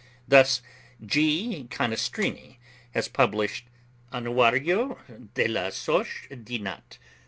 Thus G. Canestrini has published ('Annuario della Soc. d. Nat.